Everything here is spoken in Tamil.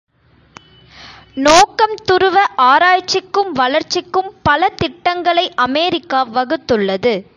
நோக்கம் துருவ ஆராய்ச்சிக்கும் வளர்ச்சிக்கும் பல திட்டங்களை அமெரிக்கா வகுத்துள்ளது.